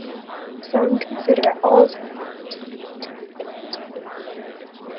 Some consider Alzheimer's disease to be in this group.